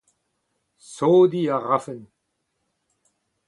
Sodiñ a rafen.